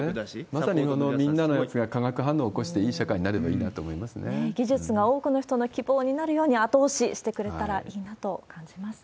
まさに皆さんの努力が化学反応を起こして、いい社会になれば技術が多くの人の希望になるように、後押ししてくれたらいいなと感じます。